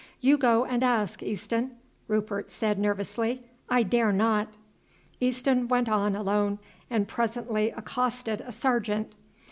"You go and ask, Easton," Rupert said nervously; "I dare not." Easton went on alone and presently accosted a sergeant.